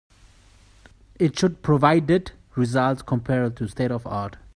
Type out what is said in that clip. It should provided results comparable to the state of the art.